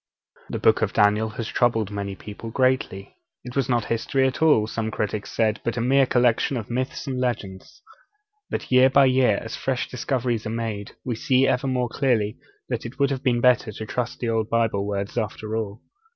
The Book of Daniel has troubled many people greatly. It was not history at all, some critics said, but a mere collection of myths and legends. But year by year, as fresh discoveries are made, we see ever more clearly that it would have been better to trust the old Bible words after all.